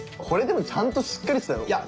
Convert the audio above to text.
これでもちゃんとしっかりしたの。